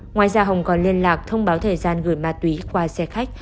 ngoài ra hồng còn liên lạc thông báo thời gian gửi ma túy qua xe khách